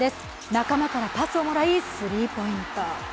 仲間からパスをもらいスリーポイント。